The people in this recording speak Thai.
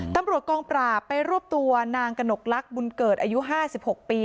ตำรวจกองปราบไปรวบตัวนางกระหนกลักษณ์บุญเกิดอายุ๕๖ปี